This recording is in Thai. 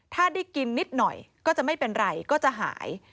ถ้าได้กินนิดหน่อยก็จะไม่เป็นไรก็จะหาย